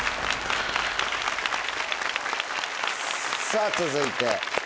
さぁ続いて。